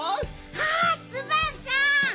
あっツバンさん。